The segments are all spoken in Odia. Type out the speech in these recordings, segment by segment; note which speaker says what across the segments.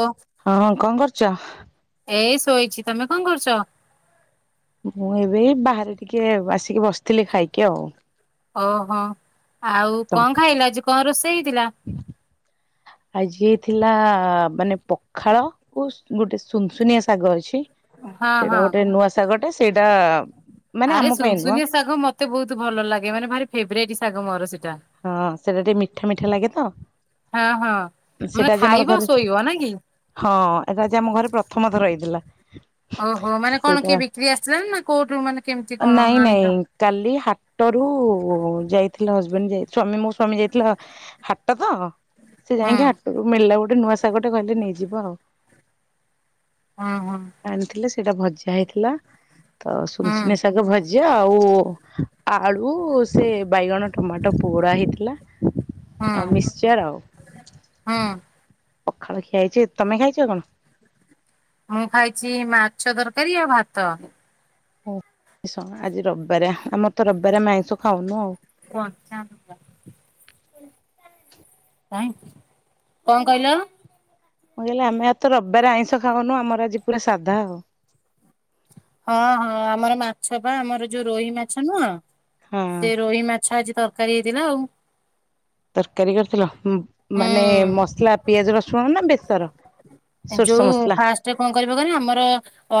Speaker 1: ଓ।
Speaker 2: ହଁ ହଁ କଂ କରୁଚ?
Speaker 1: ଏଇ ଶୋଇଚି ତମେ କଁ କରୁଚ?
Speaker 2: ମୁଁ ଏବେ ଏ ବାହାରେ ଟିକେ ଆସିକି ବସିଥିଲି ଖାଇକି ଆଉ।
Speaker 1: ଓହୋ ଆଉ କଣ ଖାଇଲ? ଆଜି କଣ ରୋଷେଇ ହେଇଥିଲା?
Speaker 2: ଆଜି ହେଇଥିଲା ମାନେ ପଖାଳ ଗୋଟେ ସୁନସୁନିଆ ଶାଗ ଅଛି।
Speaker 1: ହଁ
Speaker 2: ସେଇଟା
Speaker 1: ହଁ
Speaker 2: ଗୋଟେ ନୂଆ ଶାଗଟେ ସେଇଟା ମାନେ
Speaker 1: ଆରେ
Speaker 2: ଆମ ପାଇଁ ନୁହଁ
Speaker 1: ସୁନସୁନିଆ ଶାଗ ମତେ ବହୁତ ଭଲ ଲାଗେ, ମାନେ ଭାରି ଫେବରାଇଟ ଶାଗ ମୋର ସେଇଟା।
Speaker 2: ହଁ ସେଟା ଟିକେ ମିଠା ମିଠା ଲାଗେତ।
Speaker 1: ହଁ ହଁ ମାନେ ଖାଇବ
Speaker 2: ଘରେ
Speaker 1: ଶୋଇବ ନା କି?
Speaker 2: ହଁ ଏଟା ଆଜି ଆମ ଘରେ ପ୍ରଥମ ଥର ହେଇଥିଲା।
Speaker 1: ଓହୋ ମାନେ କଣ
Speaker 2: ସେଇଟା
Speaker 1: କିଏ ବିକ୍ରି ଆସିଥିଲା ନା କୋଉଠୁ ମାନେ କେମିତି କଣ
Speaker 2: ନାଇଁ ନାଇଁ
Speaker 1: ଆଣିଚ?
Speaker 2: କାଲି ହାଟରୁ ଯାଇଥିଲେ ହଜବେଣ୍ଡ ଯାଇ ସ୍ଵାମୀ ମୋ ସ୍ଵାମୀ ଯାଇଥିଲେ ହାଟ ତ ସେ
Speaker 1: ହୁଁ
Speaker 2: ଯାଇକି ହା ଟରୁ ମିଳିଲା ଗୋଟେ ନୂଆ ଶାଗଟା କହିଲେ ନେଇଯିବା ଆଉ।
Speaker 1: ହଁ ହଁ।
Speaker 2: ଆଣିଥିଲେ ସେଇଟା ଭଜା ହେଇଥିଲା ତ
Speaker 1: ହୁଁ
Speaker 2: ସୁନସୁନିଆ ଶାଗ ଭଜା ଆଉ ଆଳୁ ସେ ବାଇଗଣ ଟମାଟୋ ପୋଡ଼ା ହେଇଥିଲା
Speaker 1: ହୁଁ
Speaker 2: ଆଉ ମିକ୍ସଚର୍ ଆଉ।
Speaker 1: ହୁଁ।
Speaker 2: ପଖାଳ ଖିଆହେଇଛି ତମେ ଖାଇଛ କଣ?
Speaker 1: ମୁଁ ଖାଇଛି ମାଛ ତରକାରୀ ଆଉ ଭାତ।
Speaker 2: ହୋଉ କିଛି ସମୟ ଆଜି ରବିବାର ଆମର ତ ରବିବାରେ ଆମେ ଆଇଁସ ଖାଉନୁ ଆଉ।
Speaker 1: [unintelligible] କାଇଁ କଣ କହିଲ?
Speaker 2: ମୁଁ କହିଲି ଆମେ ଆଉତ ରବିବାରେ ଆଇଁଷ ଖାଉନୁ ଆମର ଆଜି ପୁରା ସାଧା ଆଉ।
Speaker 1: ହଁ ହଁ ଆମର ମାଛ ପା ଆମର ଯୋଉ ରୋହି ମାଛ ନୁହଁ?
Speaker 2: ହଁ
Speaker 1: ସେ ରୋହି ମାଛ ଆଜି ତରକାରୀ ହେଇଥିଲା ଆଉ।
Speaker 2: ତରକାରୀ କରିଥିଲ ମାନେ
Speaker 1: ହୁଁ
Speaker 2: ମସଲା ପିଆଜ ରସୁଣ ନା ବେସର? ସୋରିଷ ମସଲା।
Speaker 1: ଫାଷ୍ଟ ଯୋଉ କଣ କରିବ କହନି ଆମର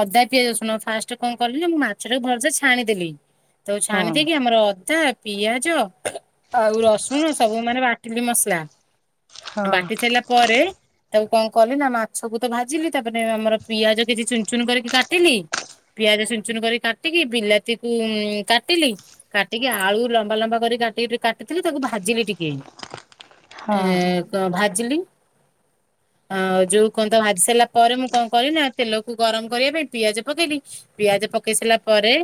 Speaker 1: ଅଦା ପିଆଜ ରସୁଣ ଫାଷ୍ଟ କଣ କଲି ନା ମୁଁ ମାଛଟାକୁ ଭଲସେ ଛାଣିଦେଲି ତ ଛାଣି
Speaker 2: ହଁ
Speaker 1: ଦେଇକି ଆମର ଅଦା ପିଆଜ ଆଉ ରସୁଣ ସବୁ ମାନେ ବାଟିଲି ମସଲା।
Speaker 2: ହଁ
Speaker 1: ବାଟି ସାରିଲା ପରେ ତାକୁ କଣ କଲି ନା ମାଛକୁ ତ ଭାଜିଲି ତାପରେ ଆମର ପିଆଜ କିଛି ଚୁନ୍ ଚୁନ୍ କରିକି କାଟିଲି। ପିଆଜ ଚୁନ୍ ଚୁନ୍ କରି କାଟିକି ବିଲାତିକୁ ଉଁ କାଟିଲି। କାଟିକି ଆଳୁ ଲମ୍ବା ଲମ୍ବା କରି କାଟି କାଟିଥିଲି ତାକୁ ଭାଜିବି ଟିକେ। ଏଁ କ ଭାଜିଲି। ଆଉ ଯୋଉ କଣତ ଭାଜି ସାରିଲା ପରେ ମୁଁ କଣ କଲିନା ତେଲକୁ ଗରମ କରିବା ପାଇଁ ପିଆଜ ପକେଇଲି ପିଆଜ ପକେଇ ସାରିଲା ପରେ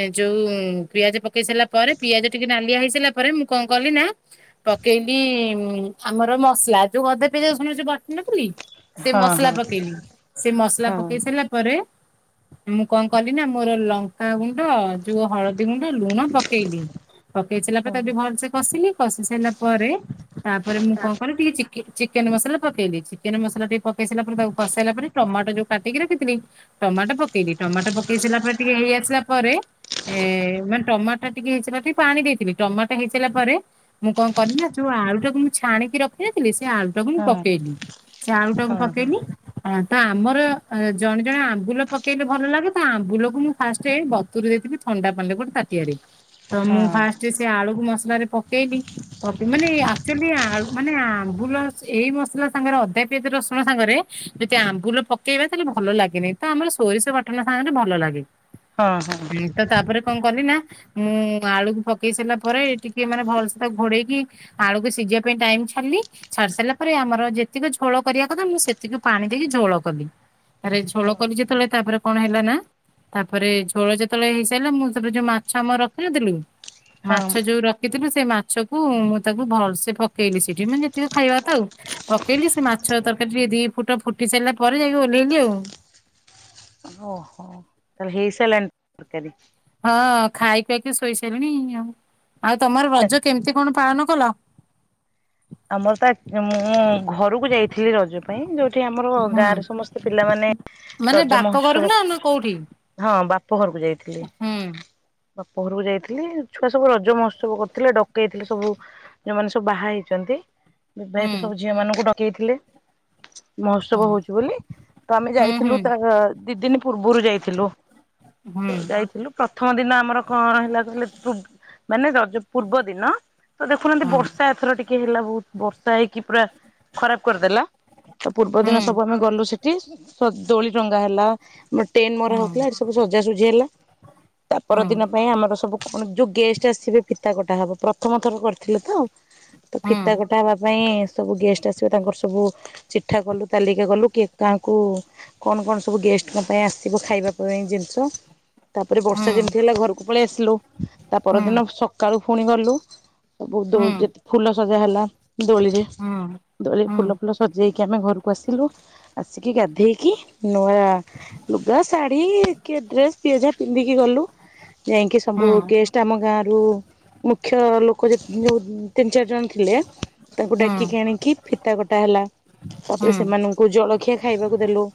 Speaker 1: ଏ ଯୋଉ ପିଆଜ ପକେଇ ସାରିଲା ପରେ ପିଆଜ ଟିକେ ନାଲିଆ ହେଇସାରିଲା ପରେ ମୁଁ କଣ କଲି ନା ପକେଇଲି ଆମର ମସଲା ଯୋଉ ଅଦା ପିଆଜ ରସୁଣ ଯୋଉ ବାଟି ନଥିଲି। ସେ
Speaker 2: ହଁ
Speaker 1: ମସଲା
Speaker 2: ହଁ
Speaker 1: ପକେଇଲି ସେ ମସଲା
Speaker 2: ହଁ
Speaker 1: ପକେଇ ସାରିଲା ପରେ ମୁଁ କଣ କଲି ନା ମୋର ଲଙ୍କାଗୁଣ୍ଡ, ଯୋଉ ହଳଦୀ ଗୁଣ୍ଡ, ଲୁଣ ପକେଇଲି। ପକେଇ ସାରିଲା
Speaker 2: ହଁ
Speaker 1: ପରେ
Speaker 2: ହଁ
Speaker 1: ତାକୁ ଟିକେ ଭଲସେ କସିଲି କଷି ସାରିଲା ପରେ ତାପରେ ମୁଁ କଣ କଲି ଟିକେ ଚି ଚିକେନ୍ ମସଲା ପକେଇଲି ଚିକେନ ମସଲା ଟିକେ ପକେଇ ସାରିଲା ପରେ ତାକୁ କରିସାଇଲା ପରେ ଟମାଟୋ ଯୋଉ କାଟିକି ରଖିଥିଲି ଟମାଟୋ ପକେଇଲିି ଟମାଟୋ ପକେଇ ସାରିଲା ପରେ ଟିକେ ହେଇ ଆସିଲା ପରେ ଏ ମାନେ ଟମାଟା ଟିକେ ହେଇସାରିଲା ଟିକେ ପାଣି ଦେଇଥିଲି ଟମାଟ ହେଇସାରିଲା ପରେ ମୁଁ କଣ କଲି ନା ଯୋଉ ଆଳୁ ଟାକୁ ମୁଁ ଛାଣିକି ରଖିନଥିଲି ସେ ଆଳୁ ତାକୁ
Speaker 2: ହଁ
Speaker 1: ମୁଁ
Speaker 2: ହଁ
Speaker 1: ପକେଇଲିି ସେ ଆଳୁ ଟାକୁ
Speaker 2: ହଁ
Speaker 1: ପକେଇଲିି। ତ ଆମର ଜଣେ ଜଣେ ଆମ୍ବୁଲ ପ ପକେଇଲେ ଭଲ ଲାଗେ ତ ଆମ୍ବୁଲକୁ ମୁଁ ଫାଷ୍ଟେ ବତୁରି ଦେଇଥିବି ଥଣ୍ଡା ପାଣିରେ ଗୋଟେ ତାଟିଆରେ। ତ
Speaker 2: ହଁ
Speaker 1: ମୁଁ ଫା ଯେ ସେ ଆଳୁକୁ ମସଲାରେ ପକେଇଲି ପପି ମାନେ ଆଚୁଆଲି ମାନେ ଆମ୍ବୁଲ। ଏଇ ମସଲା ସାଙ୍ଗରେ ଅଦା ପିଆଜ ରସୁଣ ସାଙ୍ଗରେ ଯଦି ଆମ୍ବୁଲ ପକେଇବା ତାହେଲେ ଭଲ ଲାଗେନାହିଁ। ତ ଆମର ସୋରିଷ ବାଟଣ ସାଙ୍ଗରେ ଭଲ ଲାଗେ।
Speaker 2: ହଁ ହଁ।
Speaker 1: ହୁଁ ତ ତାପରେ କଣ କଲି ନା ମୁଁ ଆଳୁକୁ ପକେଇ ସାରିଲା ପରେ ଟିକେ ମାନେ ଭଲସେ ତାକୁ ଘୋଡେଇକି। ଆଳୁକୁ ସିଝିବା ପାଇଁ ଟାଇମ୍ ଛାଡିଲି। ଛାଡି ସାରିଲା ପରେ ଆମର ଯେତିକି ଝୋଳ କରିବା କଥା ମୁଁ ସେତିକି ପାଣି ଦେଇକି ଝୋଳ କଲି। ଆରେ ଝୋଳ କରିଛି ଯେତେବେଳେ ତାପରେ କଣ ହେଲା ନା। ତାପରେ ଝୋଳ ଯେତେବେଳେ ହେଇସାରିଲା ମୁଁ ତାପରେ ଯୋଉ ମାଛ ଆମର ରଖିିନଥିଲୁ
Speaker 2: ହଁ
Speaker 1: ମାଛ ଯୋଉ ର ଖିଥିଲୁ ସେ ମାଛକୁ ମୁଁ ତାକୁ ଭଲସେ ପକେଇଲି ସେଠି ମାନେ ଯେତିକି ଖାଇବା କଥା ଆଉ। ପକେଇଲି ସେ ମାଛ ତରକାରୀ ଟିକେ ଦି ଫୁଟ ଫୁଟି ସାରିଲା ପରେ ଯାଇକି ଓହ୍ଲେଇଲି ଆଉ।
Speaker 2: ଓହୋ [unintelligible] ହେଇ। [unintelligible]
Speaker 1: ହଁ ଖାଇ ପିଆଇକି ଶୋଇ ସାରିଲିଣି ଆଉ। ଆଉ ତମର ରଜ କେମିତି କଣ ପାଳନ କଲ?
Speaker 2: ଆମର ତ ମୁଁ ଘରକୁ ଯାଇଥିଲି ରଜ ପାଇଁ ଯୋଉଠି ଆମର
Speaker 1: ହୁଁ।
Speaker 2: ଗାଁରେ ସମସ୍ତେ ପିଲାମାନେ
Speaker 1: ମାନେ
Speaker 2: ରଜ
Speaker 1: ବାପ
Speaker 2: ମହୋତ୍ସବ
Speaker 1: ଘରକୁ ନା [unintelligible] କୋଉଠି?
Speaker 2: ହଁ ବାପ ଘରକୁ ଯାଇଥିଲି।
Speaker 1: ହୁଁ
Speaker 2: [unintelligible] ଯାଇଥିଲି ଛୁଆ ସବୁ ରଜ ମହୋତ୍ସବ କରିଥିଲେ, ଡକେଇଥିଲେ ସବୁ ଯୋଉମାନେ ସବୁ ବାହା ହେଇ [unintelligible]
Speaker 1: ହୁଁ
Speaker 2: ଯେହେତୁ ସବୁ ଝିଅ ମାନଙ୍କୁ ଡକେଇଥିଲେ, ମହୋତ୍ସବ ହଉଛି ବୋଲି। ତ ଆମେ
Speaker 1: ହୁଁ ହୁଁ
Speaker 2: ଯାଇଥିଲୁ ତ ଦି ଦିନ ପୂର୍ବରୁ ଯାଇଥିଲୁ
Speaker 1: ହୁଁ
Speaker 2: [unintelligible]
Speaker 1: ହୁଁ।
Speaker 2: ଯାଇଥିଲୁ। ପ୍ରଥମ ଦିନ ଆମର କଣ ହେଲା କିଲ [unintelligible] ମାନେ ପୂର୍ବ ଦିନ। ତ ଦେଖୁନାହାନ୍ତି
Speaker 1: ହୁଁ
Speaker 2: ବର୍ଷା ଏଥର ଟିକେ ହେଲା ବହୁତ ବର୍ଷା ହେଇକି ପୁରା ଖରାପ କରିଦେଲା। ତ ପୂର୍ବ
Speaker 1: ହୁଁ
Speaker 2: ଦିନ
Speaker 1: ହୁଁ
Speaker 2: ସବୁ ଆମେ ଗଲୁ ସେଠି [unintelligible] ଦୋଳି ଟଙ୍ଗା ହେଲା। ଆମର ଟେନ ମରା ହଉଥିଲା ଏଠି ସବୁ ସଜାସଜି ହେଲା, ତା ପର ଦିନ ପାଇଁ ଆମର ସବୁ [unintelligible] ଯୋଉ ଗେଷ୍ଟ ଆସିବେ ପିତା କଟା ହବ ପ୍ରଥମ ଥର କରିଥିଲେ ତ, ତ
Speaker 1: ହୁଁ
Speaker 2: ଫିତା କଟା ହବା ପାଇଁ ସବୁ ଗେଷ୍ଟ ଆସିବ ତାଙ୍କର ସବୁ, ଚିଠା କଲୁ ତାଲିକା କଲୁ କି କା କୁ କଣ କଣ ସବୁ ଗେଷ୍ଟଙ୍କ ପାଇଁ [unintelligible] ଖାଇବା ପାଇଁ ଜିନିଷ। ତାପରେ
Speaker 1: ହୁଁ ହୁଁ ହୁଁ ହୁଁ ହୁଁ ହୁଁ ହୁଁ ହୁଁ ହୁଁ
Speaker 2: ବର୍ଷା ଯେମିତି ହେଲା ଘରକୁ ପଳେଇ ଆସିଲୁ ତା
Speaker 1: ହୁଁ ହୁଁ ହୁଁ ହୁଁ ହୁଁ
Speaker 2: ପରଦିନ ସକାଳୁ ପୁଣି ଗଲୁ। [unintelligible] [unintelligible] ଫୁଲ ସଜା ହେଲା ଦୋଳିରେ। ଦୋଳିରେ ଫୁଲ ଫୁଲ ସଜେଇକି ଆମେ ଘରକୁ ଆସିଲୁ ଆସିକି ଗାଧେଇକି ନୂଆ ଲୁଗା ଶାଢ଼ୀ କିଏ ଡ୍ରେସ ପିଆଜା ପିନ୍ଧିକି ଗଲୁ। ଯାଇକି ସବୁ
Speaker 1: ହୁଁ
Speaker 2: ଗେଷ୍ଟ ଆମ ଗାଁ ରୁ ମୁଖ୍ୟ ଲୋକ ଯେ [unintelligible] [unintelligible] ତିନ ଚାର ଜଣ ଥିଲେ, ତାଙ୍କୁ ଡାକି ଆ ଆଣିକି ଫିତା କଟା ହେଲା, ତାପରେ ସେମାନଙ୍କୁ ଜଳଖିଆ ଖାଇବାକୁ ଦେଲୁ।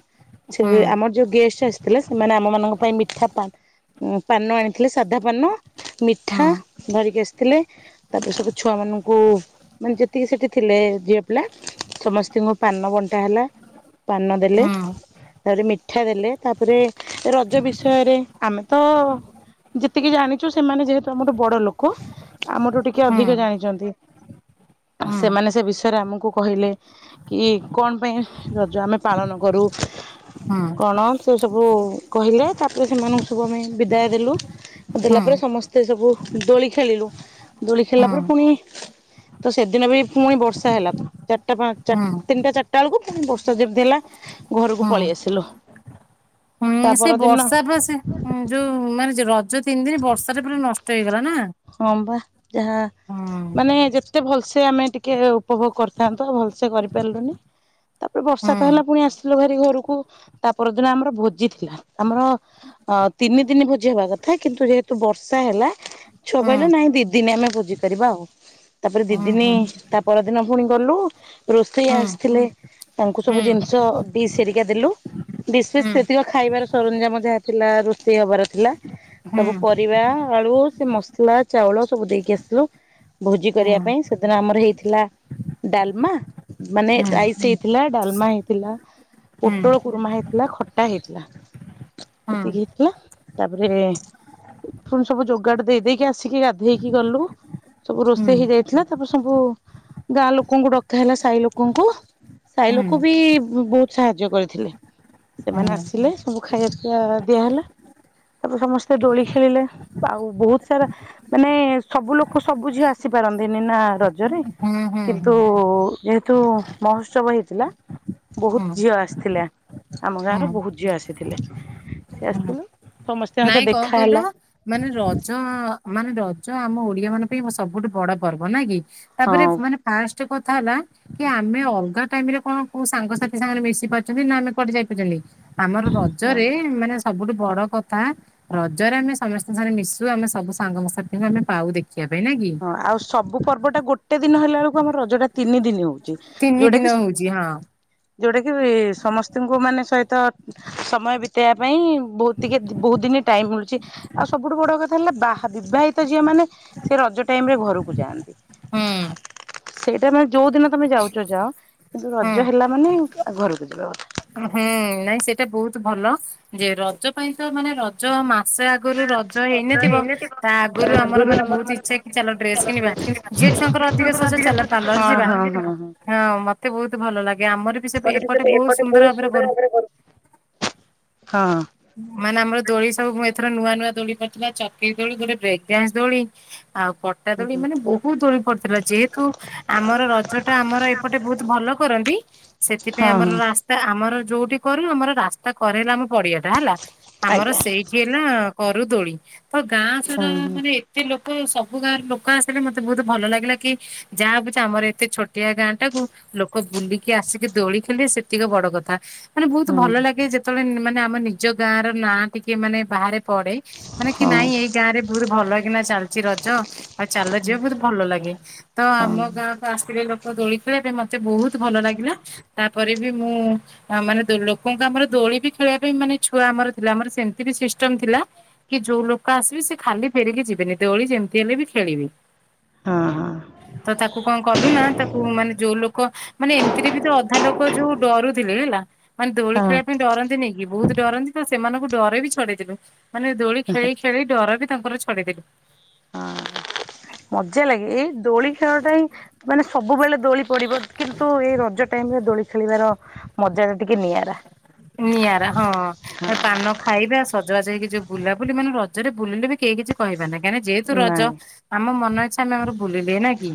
Speaker 2: ସେ
Speaker 1: ହୁଁ
Speaker 2: ଆମର ଯୋଉ ଗେଷ୍ଟ ଆସିଥିଲେ ସେମାନେ ଆମ ମଙ୍କ ପାଇଁ ମିଠା ପନ୍ ପାନ ଆଣିଥିଲେ ସାଧା ପାନ, ମିଠା ଧରିକି ଆସିଥିଲେ। ତାପରେ ସ ଛୁଆମାନଙ୍କୁ ମାନେ ଯେତିକି ସେଠି ଥିଲେ ଝିଅ ପିଲା, ସମସ୍ତଙ୍କୁ ପାନ ବଣ୍ଟା ହେଲା। ପାନ ଦେଲେ। ତାପରେ ମିଠା ଦେଲେ। ତାପରେ ରଜ ବିଷୟରେ ଆମେ ତ ଯେତିକି ଜାଣିଛୁ ସେମାନେ ଯେହେତୁ ଆମ ଗଟେ ବଡ ଲୋକ, ଆମଠୁ ଟିକେ ଅଧିକ ଜାଣିଛନ୍ତି। ସେମାନେ ସେ ବିଷୟରେ ଆମକୁ କହିଲେ। କି କଣ ପାଇଁ ରଜ ଆମେ ପାଳନ କରୁ।
Speaker 1: ହଁ।
Speaker 2: କଣ ସେ ସବୁ କହିଲେ ତାପରେ ସେମାନଙ୍କୁ ସବୁ ଆମେ ବିଦାୟ ଦେଲୁ। ଦେଲା ପରେ ସମ ସେ ସବୁ ଦୋଳି ଖେଳିଲୁ। ହେଲା ପରେ ପୁଣି ତ ସେଦିନ ବି ପୁଣି ବର୍ଷା ହେଲା ଚାରିଟା ପାଞ୍ଚ
Speaker 1: ହୁଁ
Speaker 2: [unintelligible] ତିନିଟା ଚାରିଟ ବେଳକୁ ବର୍ଷା ଯେମିତି ହେଲା ଘରକୁ
Speaker 1: ହୁଁ
Speaker 2: ପଳେଇ ଆସିଲୁ।
Speaker 1: ହୁଁ
Speaker 2: ତା
Speaker 1: ସେ
Speaker 2: ପରଦିନ
Speaker 1: ବର୍ଷା ପା ସେ ଯୋଉ ମାନେ ରଜ ତିନି ଦିନ ବର୍ଷା [unintelligible] ପୁରା ନଷ୍ଟ ହେଇଗଲା ନା।
Speaker 2: ହଁ ବା, ଯାହା
Speaker 1: ହୁଁ
Speaker 2: ମାନେ ଯେ ଏତେ ଭଲସେ ଆମେ ଟିକେ ଉପଭୋଗ କରିଥାନ୍ତୁ, ଭଲସେ କରିପାରିଲୁନି। ତାପରେ ବର୍ଷା
Speaker 1: ହୁଁ
Speaker 2: ତ ହେଲା ପୁଣି ଆସିଥିଲୁ [unintelligible] ଘରକୁ ତା ପରଦିନ ଆମର ଭୋଜି ଥିଲା। ଆମର ଅ ତିନି ଦିନ ଭୋଜି ହେବା କଥା କିନ୍ତୁ ଯେହେତୁ ବର୍ଷା ହେଲା ଛୁଆ କହିଲେ
Speaker 1: ହୁଁ
Speaker 2: ନାଇଁ ଦିଦିନି ଆମେ ଭୋଜି କରିବା ଆଉ। ତାପରେ ଦିଦିନି,
Speaker 1: ହୁଁ
Speaker 2: ତା ପରଦିନ ପୁଣି ଗଲୁ ରୋଷେଇ
Speaker 1: ହୁଁ
Speaker 2: ଆସିଥିଲେ। ତାଙ୍କୁ
Speaker 1: ହୁଁ
Speaker 2: ସବୁ ଜିନିଷ ଡିସ ସେରିକା ଦେଲୁ। ଡିସ୍ ଫିସ
Speaker 1: ହୁଁ
Speaker 2: ସେତିକ ଖାଇବାର ସରଞ୍ଜାମ ଯାହା ଥିଲା ରୋଷେଇ ହବାର ଥିଲା।
Speaker 1: ହୁଁ ହୁଁ
Speaker 2: ସବୁ ପରିବା ଆଳୁ ସେ ମସ ଲା ଚାଉଳ ସବୁ ଦେଇକି ଆସିଲୁ ଭୋଜି
Speaker 1: ହୁଁ
Speaker 2: କରିବା ପାଇଁ। ସେଦିନ ଆମର ହେଇଥିଲା ଡାଲମା ମାନେ
Speaker 1: ହୁଁ
Speaker 2: ରାଇସ୍ ହେଇଥିଲା ଡାଲମା ହେଇଥିଲା।
Speaker 1: ହୁଁ
Speaker 2: ପୋଟଳ କୁର୍ମା ହେଇଥିଲା ଖଟା ହେଇଥିଲା। ଏତିକି
Speaker 1: ହୁଁ
Speaker 2: ହେଇଥିଲା ତାପରେ ପୁଣି ସବୁ ଯୋଗାଡ ଦେଇ ଦେଇ ଆସିକି ଗାଧେଇକି ଗଲୁ। ସବୁ ରୋଷେଇ ହେଇ
Speaker 1: ହୁଁ
Speaker 2: ଯାଇଥିଲା ତାପରେ ସବୁ ଗାଁ ଲୋକଙ୍କୁ ଡକା ହେଲା ସାହି ଲୋକଙ୍କୁ। ସାହି ଲୋକ
Speaker 1: ହୁଁ
Speaker 2: ବି ବହୁତ ସାହାଯ୍ୟ କରିଥିଲେ। ସେମାନେ
Speaker 1: ହୁଁ ହୁଁ
Speaker 2: ଆସିଲେ ସବୁ ଖାଇବା ପାଇବା ଦିଆହେଲା। ତାପରେ ସମସ୍ତେ ଦୋଳି ଖେଳିଲେ ଆଉ ବହୁତ ସାରା ମାନେ ସବୁ ଲୋକ ସବୁ ଝିଅ ଆସିପାରନ୍ତିନି ନା ରଜ ରେ
Speaker 1: ହୁଁ
Speaker 2: କିନ୍ତୁ ଯେହେତୁ ମହୋତ୍ସବ ହେଇଥିଲା। ବହୁତ
Speaker 1: ହୁଁ
Speaker 2: ଝିଅ ଆସିଥିଲା ଆମ
Speaker 1: ହୁଁ
Speaker 2: ଗାଁର ବହୁତ ଝିଅ ଆସିଥିଲେ। ସେ
Speaker 1: ହୁଁ
Speaker 2: ଆସିଥିଲ ସମସ୍ତେଙ୍କ ହେତ
Speaker 1: ନାଇଁ କଣ
Speaker 2: ଦେଖା
Speaker 1: କହିଲ
Speaker 2: ହେଲା।
Speaker 1: ମାନେ ରଜ ମାନେ ରଜ ଆମ ଓଡିଆ ମାନଙ୍କ ପାଇଁ ସବୁଠୁ ବଡ ପର୍ବ ନାଇକି ତାପରେ
Speaker 2: ହଁ।
Speaker 1: ମାନେ ଫାଷ୍ଟ କଥା ହେଲା କି ଆମେ ଅଲଗା ଟାଇମ ରେ କଣ କୋଉ ସାଙ୍ଗସାଥି ସାଙ୍ଗରେ ମିଶି ପାରୁଛନ୍ତି ନା ଆମେ କୁଆଡେ ଯାଇପାରୁଛନ୍ତି। ଆମର ରଜରେ ମାନେ ସବୁଠୁ ବଡ କ ଥା ରଜରେ ଆମେ ସମସ୍ତଙ୍କ ସାଙ୍ଗରେ ମିଶୁ ଆମେ ସବୁ ସାଙ୍ଗ ସାଥିଙ୍କୁ ଆମେ ପାଉ ଦେଖିବା ପାଇଁ ନାଇକି।
Speaker 2: ହଁ ଆଉ ସବୁ ପର୍ବଟା ଗୋଟେ ଦିନ ହେଲା ବେଳକୁ ଆମର ରଜଟା ତିନି ଦିନ ହଉ ଛି
Speaker 1: ତିନି
Speaker 2: ଯୋଉଟା
Speaker 1: ଦିନ
Speaker 2: କି
Speaker 1: ହଉଛି ହଁ
Speaker 2: ଯୋଉଟା କି ସମସ୍ତଙ୍କୁ ମାନେ ସହିତ ସମୟ ବିତେଇବା ପାଇଁ ବହୁତ ଟିକେ ବହୁତ ଦିନ ଟାଇମ ମିଳୁଛି। ଆଉ ସବୁଠୁ ବଡ କଥା ହେଲା ବାହା ବିବାହିତ ଝିଅ ମାନେ ସେ ରଜ ଟାଇମ ରେ ଘରକୁ ଯାଆନ୍ତି।
Speaker 1: ହୁଁ
Speaker 2: ସେଇଟା ମାନେ ଯୋଉ ଦିନ ତମେ ଯାଉଛ ଯାଅ କିନ୍ତ ରଜ ହେଲା ମାନେ ଘରକୁ ଯିବା
Speaker 1: ଓହୋ ନାଇଁ ସେଇଟା ବହୁତ ଭଲ ଯେ ରଜ ପାଇଁ ତ ମାନେ ର ଜ ମାସେ ଆଗରୁ ରଜ ହେଇନଥିବ ତା ଆଗରୁ ଆମର ମାନେ ବହୁତ ଇଛା ଚାଲ ଡ୍ରେସ୍ କିଣିବା ଝିଅ ଛୁଆଙ୍କର ଅଧିକ ସଜ ଚାଲ ପାର୍ଲର ଯିବା। ହଁ ମତେ ବହୁତ ଭଲ ଲାଗେ ଆମର ବି ସେ ଏପଟେ ବହୁତ ସୁନ୍ଦର ଭାବରେ କରୁ।
Speaker 2: ହଁ
Speaker 1: ମାନେ ଆମର ଦୋଳି ସବୁ ଏଥର ନୂଆ ନୂଆ ଦୋଳି କରିଥିଲା ଚକିରି ଦୋଳି ଗୋଟେ ବ୍ରେକ ଡାନ୍ସ ଦୋଳି। ଆଉ ପ ଟା ଦୋଳି
Speaker 2: ହଁ
Speaker 1: ମାନେ ବହୁତ ଦୋଳି ପଡିଥିଲା ଯେହେତୁ ଆମର ରଜ ଟା ଆମର ଏପଟେ ବହୁତ ଭଲ କରନ୍ତି। ସେଥିପାଇଁ
Speaker 2: ହଁ
Speaker 1: ଆମର
Speaker 2: ହଁ
Speaker 1: ରା ସ୍ତା ଆମର ଯୋଉଠି କରୁ ଆମର ରାସ୍ତା କରେଇଲେ ଆମ ପଡିିଆଟା ହେଲା ଆମର
Speaker 2: ଆଜ୍ଞା
Speaker 1: ସେଇ ହେଲା କରୁ ଦୋଳି ତ ଗାଁ ସାରା
Speaker 2: ହଁ ହଁ।
Speaker 1: ମାନେ ଏ ତେ ଲୋକ ସବୁ ଗାଁର ଲୋକ ଆସିଲେ ମତେ ବହୁତ ଭଲ ଲାଗିଲା କି ଯାହା ଭାବୁଛ ଆମର ଏତେ ଛୋଟିଆ ଗାଁ ଟାକୁ ଲୋକ ବୁଲିକି ଆସିକି ଦୋଳି ଖେଳିଳେ ସେତିକ ବଡ କଥା। ମାନେ ବହୁତ ଭଲ ଲାଗେ ଯେତେବେଳେ ମାନେ ଆମ ନିଜ ଗାଁର ନାଁ ଟିକେ ମାନେ ବାହାରେ ପଡେ। ମାନେ
Speaker 2: ହଁ
Speaker 1: କି ନାଇଁ
Speaker 2: ହଁ
Speaker 1: ଏଇ ଗାଁ ରେ ବହୁତ ଭଲକିନା ଚାଲିଚି ରଜ ଆଉ ଚାଲ ଯିବା ବହୁତ ଭଲ ଲାଗେ। ତ
Speaker 2: ହଁ
Speaker 1: ଆମ ଗାଁ। ତ ଆସିଲେ ଲୋକ ଦୋଳି ଖେଳିବା ପାଇଁ ମତେ ବହୁତ ଭଲ ଲାଗିଲା ତାପରେ ବି ମୁଁ ଆ ମାନେ ଦୋ ଲୋକଙ୍କୁ ଆମର ଦୋଳି ବି ଖେଳିବା ପାଇଁ ମାନେ ଛୁଆ ଆମର ଥିଲେ ଆମର ସେମିତି ସିଷ୍ଟ ସିଷ୍ଟମ୍ ଥିଲା କି ଯୋଉ ଲୋକ ଆସିବେ ସେ ଖାଲି ଫେରିକି ଯିବେନି ଦୋଳି ଯେମିତି ହେଲେ ବି ଖେଳିବେ।
Speaker 2: ହଁ ହଁ
Speaker 1: ତ ତାକୁ କଣ କଲୁ ନା ତାକୁ ମାନେ ଯୋଉ ଲୋକ ମାନେ ଏମିତିରେବି ତ ଅଧା ଲୋକ ଯୋଉ ଡରୁଥିଲେ ହେଲା। ମାନେ ଦୋଳି
Speaker 2: ହଁ
Speaker 1: ଖେଳିବା ପାଇଁ ଡରନ୍ତିନିକି ବହୁତ ଡରନ୍ତି ତ ସେମାନଙ୍କୁ ଡର ବି ଛଡେଇଦେବେ। ମାନେ ଦୋଳି ଖେଳି ଖେଳି ଡର ବି ତାଙ୍କର ଛଡେଇଦେବେ।
Speaker 2: ହଁ ମଜା ଲାଗେ ଏଇ ଦୋଳି ଖେଳଟା ହିଁ ମାନେ ସବୁବେଳେ ଦୋଳି ପଡ଼ିବ କିନ୍ତୁ ଏ ରଜ ଟାଇମର ଦୋଳି ଖେଳିବାର ମଜାଟା ଟିକେ ନିଆରା।
Speaker 1: ନିଆରା ହଁ। ତ ପାନ ଖାଇବା ସଜବାଜ ହେଇକି ଯୋଉ ବୁଲାବୁଲି ମାନେ ରଜରେ ବୁଲିଲେ ବି କେହି କିଛି କହିବାନି କାହିଁକି ଯେହେତୁ
Speaker 2: ନାଇଁ
Speaker 1: ରଜ ଆମ ମନ ଇଚ୍ଛା ଆମେ ଆମର ଭୁଲିଲେ ନା କି?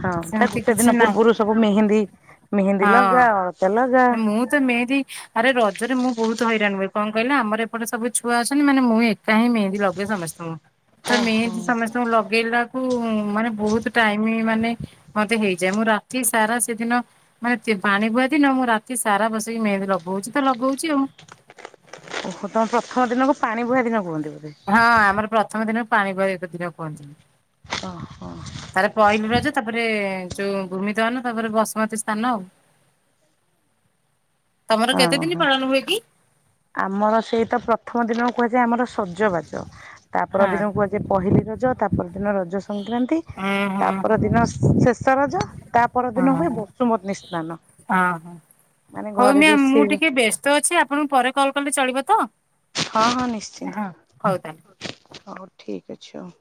Speaker 2: ହଁ ତା
Speaker 1: ସେମିତି
Speaker 2: ଗୋଟେ
Speaker 1: କିଛି
Speaker 2: ଦିନ
Speaker 1: ନାହିଁ
Speaker 2: ପୂର୍ବରୁ ସବୁ ମେହେନ୍ଦୀ ମେହେନ୍ଦି ଲଗା
Speaker 1: ହଁ।
Speaker 2: ଅଳତା ଲଗା।
Speaker 1: ମୁଁ ତ ମେହେନ୍ଦି ଆରେ ରଜରେ ମୁଁ ବହୁତ ହଇରାଣ ହୁଏ କଣ କହିଲ ଆମର ଏପଟେ ସବୁ ଛୁଆ ଅଛନ୍ତି ମାନେ ମୁଁ ଏକା ହିଁ ମେହେନ୍ଦି ଲଗୁଏ ସମସ୍ତଙ୍କୁ। ତ
Speaker 2: ଓହୋ।
Speaker 1: ମେହେନ୍ଦି ସମସ୍ତଙ୍କୁ ଲଗେଇଲାକୁ ମାନେ ବହୁତ ଟାଇମ ମାନେ ମତେ ହେଇଯାଏ ମୁଁ ରାତି ସାରା ସେଦିନ ମାନେ ପାଣିବୁହା ଦିନ ମୁଁ ରାତି ସାରା ବସିକି ମେହେନ୍ଦି ଲଗୋଉଛି ତ ଲଗୋଉଚି ଆଉ
Speaker 2: ଓହୋ ତମ ପ୍ରଥମ ଦିନକୁ ପାଣିବୁହା ଦିନ କୁହନ୍ତି ବୋଧେ।
Speaker 1: ହଁ ଆମର ପ୍ରଥମ ଦିନ ପାଣିବୁହା ଏତତ୍ ଦିନ କୁହନ୍ତିନି।
Speaker 2: ଓହୋ।
Speaker 1: ପହିଲି ରଜ ତାପରେ ଯୋଉ ଭୂମିଦହନ ତାପରେ ବସୁମତୀ ସ୍ନାନ ଆଉ ତମର କେତେ ଦିନି
Speaker 2: ଓହୋ
Speaker 1: ପାଳନ ହୁଏ କି?
Speaker 2: ଆମର ସେଇତ ପ୍ରଥମ ଦିନକୁ କୁହାଯାଏ ଆମର ସଜବାଜ ତାପର
Speaker 1: ହଁ
Speaker 2: ଦିନକୁ କୁହା ଯେ ପହିଲି ରଜ ତାପ ଦିନ ରଜ ସଂକ୍ରାନ୍ତି
Speaker 1: ହୁଁ ହୁଁ
Speaker 2: ତାପର ଦିନ ସ-ଶେଷ ରଜ। ତା
Speaker 1: ହଁ
Speaker 2: ପରଦିନ ହୁଏ ବସୁମତୀ ସ୍ନାନ
Speaker 1: ହଁ ହଁ।
Speaker 2: ମାନେ ଘରେ ଯୋଉ ଶି
Speaker 1: ସ୍ତ ଆପଣଙ୍କୁ ପରେ କଲ୍ କଲେ ଚଳିବ ତ।
Speaker 2: ହଁ ହଁ
Speaker 1: ହଁ ହଉ ତାହେଲେ।
Speaker 2: ନିଶ୍ଚିନ୍ତ। ହଉ ଠିକ୍ ଅଛି ହଉ।